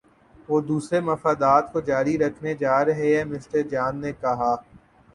وہ دوسرے مفادات کو جاری رکھنے جا رہے ہیں مِسٹر جان نے کہا